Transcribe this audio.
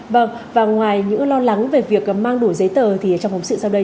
vâng và ngoài những lo lắng về việc mang đủ giấy tờ thì trong phóng sự sau đây